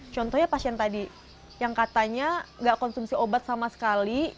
contohnya pasien tadi yang katanya gak konsumsi obat sama sekali